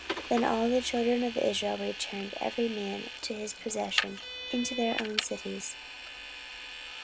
Then all the children of Israel returned, every man to his possession, into their own cities.